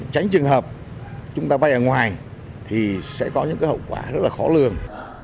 tránh trường hợp chúng ta vay ở ngoài thì sẽ có những cái hậu quả rất là khó lường